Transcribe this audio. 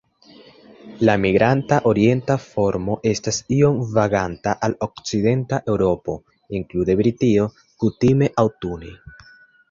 La migranta orienta formo estas iom vaganta al okcidenta Eŭropo, inklude Britio, kutime aŭtune.